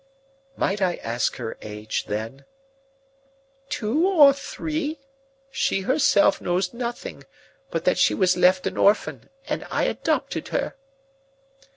"Might I ask her age then?" "Two or three. She herself knows nothing, but that she was left an orphan and I adopted her."